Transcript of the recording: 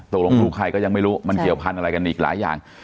ตกลงลูกใครก็ยังไม่รู้มันเกี่ยวพันธุ์อะไรกันอีกหลายอย่าง